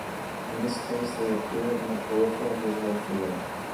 In this case they appear in the peripheral visual field.